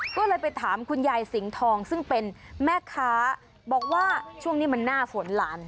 ก็เลยไปถามคุณยายสิงห์ทองซึ่งเป็นแม่ค้าบอกว่าช่วงนี้มันหน้าฝนหลาน